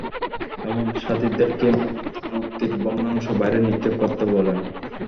এবং সাথিদেরকে মূর্তির ভগ্নাংশ বাইরে নিক্ষেপ করতে বলেন।